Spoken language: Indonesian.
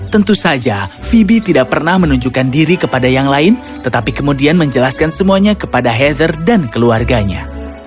tentu saja phibie tidak pernah menunjukkan diri kepada yang lain tetapi kemudian menjelaskan semuanya kepada heather dan keluarganya